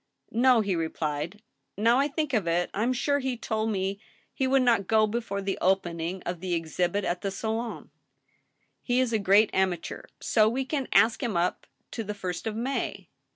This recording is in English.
" No," he replied, " now I think of it I am sure he told me he would not go before the opening of the Exhibition at the Salon, ... He is a great amateur. So we can ask him up to the ist of May."